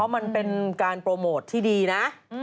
มันเป็นการโปรโมทที่ดีนะ